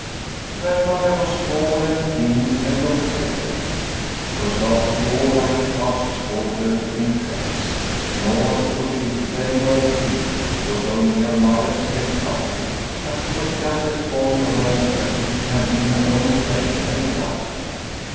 Grandmother was tall and thin and looked delicate. She was not at all like the Pastor's daughter in face, nor could she very well be, go Liliecrona's Home for she was only her Mother's stepmother. But she was just as fond of her as if she had been her own flesh and blood.